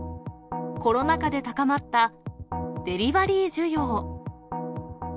コロナ禍で高まったデリバリー需要。